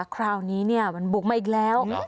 คราวนี้มันบุกมาอีกแล้ว